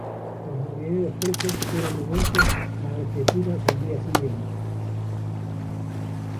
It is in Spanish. Los marineros presos fueron devueltos a Algeciras al día siguiente.